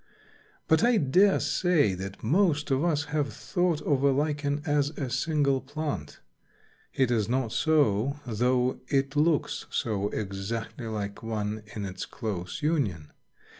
But I dare say that most of us have thought of a Lichen as a single plant. It is not so, though it looks so exactly like one in its close union.